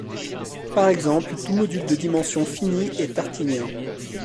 Par exemple, tout module de dimension finie est artinien.